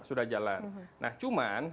sudah jalan nah cuman